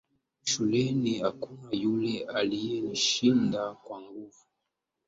Shuleni hakuna yule aliye nishinda kwa nguvu